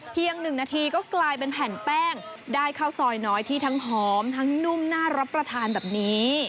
๑นาทีก็กลายเป็นแผ่นแป้งได้ข้าวซอยน้อยที่ทั้งหอมทั้งนุ่มน่ารับประทานแบบนี้